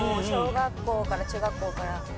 小学校から中学校から。